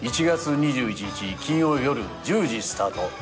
１月２１日金曜よる１０時スタート